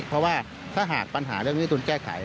เพราะว่าถ้าหากปัญหาเรียกว่าใช่มันทุนแก้ไข